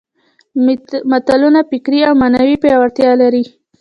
متلونه فکري او معنوي پياوړتیا لري